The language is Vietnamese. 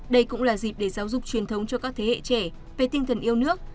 đây cũng là dịp để giáo dục truyền thống cho các thế hệ trẻ về tinh thần yêu nước